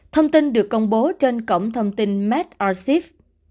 thông tin được công bố trên cổng thông tin medrxiv